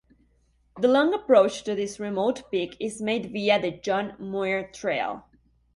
The long approach to this remote peak is made via the John Muir Trail.